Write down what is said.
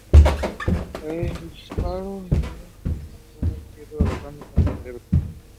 The current alternate prime minister is Yair Lapid.